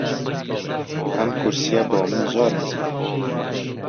ئەم کورسییە بۆ من زۆر نزمە.